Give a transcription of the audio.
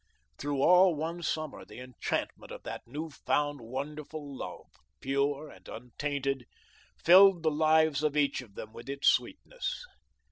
Through all one summer the enchantment of that new found, wonderful love, pure and untainted, filled the lives of each of them with its sweetness.